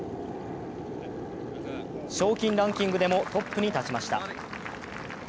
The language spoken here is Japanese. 賞金ランキングでもトップに立ちました。